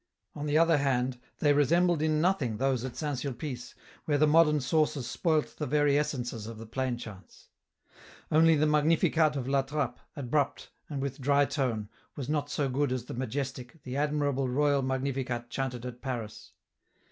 On the other hand they resembled in nothing those at St. Sulpice, where the modern sauces spoilt the very essences of the plain chants. Only the Magnificat of La Trappe, abrupt, and with dry tone, was not so good as the majestic, the admirable Royal Magnificat chanted at Paris.